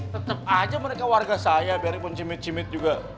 tetep aja mereka warga saya biar pun cimit cimit juga